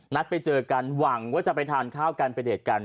นัดไปเจอกันหวังว่าจะไปทานข้าวกันไปเดทกัน